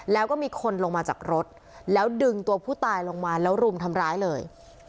แล้วก็มีคนลงมาจากรถแล้วดึงตัวผู้ตายลงมาแล้วรุมทำร้ายเลย